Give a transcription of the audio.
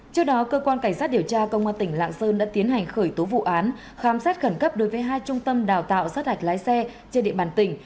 trước đó cơ quan cảnh sát điều tra công an tỉnh lạng sơn đã tiến hành khởi tố vụ án khám xét khẩn cấp đối với hai trung tâm đào tạo sát hạch lái xe trên địa bàn tỉnh